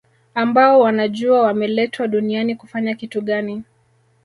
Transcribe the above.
ambao wanajua wameletwa duniani kufanya kitu gani